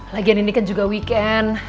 lagian ini kan juga weekend